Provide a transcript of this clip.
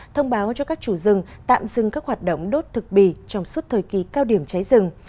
thông báo cho các chủ rừng tạm dừng các hoạt động đốt thực bì trong suốt thời kỳ cao điểm cháy rừng